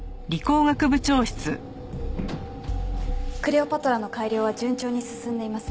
クレオパトラの改良は順調に進んでいます。